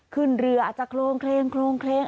ขึ้นเรืออาจจะโครงเคลง